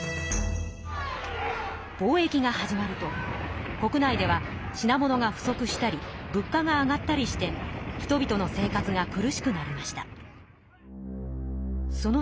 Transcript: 貿易が始まると国内では品物が不足したり物価が上がったりして人々の生活が苦しくなりました。